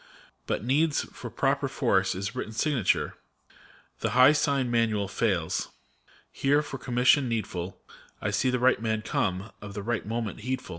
But needs, for proper force, his written signature : The high sign manual fails. Here, for commission needful, I see the right man come, of the right moment heedful.